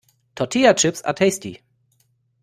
Tortilla chips are tasty.